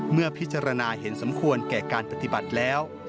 เมื่อพิจารณาเห็นสมควรแก่การปฏิบัติแล้ว